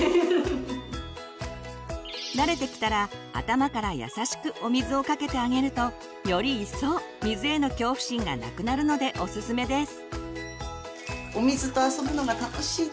慣れてきたら頭から優しくお水をかけてあげるとよりいっそう水への恐怖心がなくなるのでオススメです。